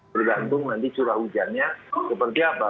tergantung nanti curah hujannya seperti apa